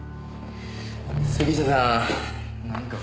杉下さんなんかここ。